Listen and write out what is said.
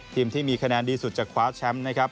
ทีมที่มีคะแนนดีสุดจะคว้าแชมป์นะครับ